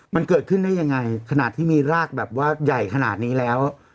มันเกิดขึ้นได้ยังไงขนาดที่มีรากแบบว่าใหญ่ขนาดนี้แล้ว